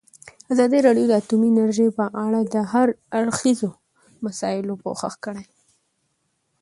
ازادي راډیو د اټومي انرژي په اړه د هر اړخیزو مسایلو پوښښ کړی.